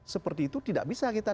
seperti itu tidak bisa kita